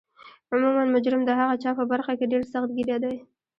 عموما مجرم د هغه چا په برخه کې ډیر سخت ګیره دی